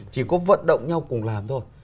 chỉ có vận động nhau cùng làm thôi